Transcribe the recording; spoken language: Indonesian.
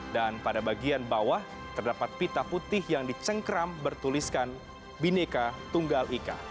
dan pada bagian bawah terdapat pita putih yang dicengkram bertuliskan bhinneka tunggal ika